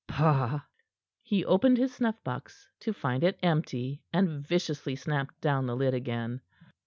Pah!" He opened his snuff box to find it empty, and viciously snapped down the lid again.